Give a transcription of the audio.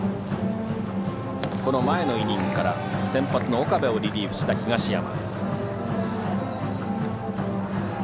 この前のイニングから先発の岡部をリリーフした東山。